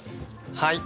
はい。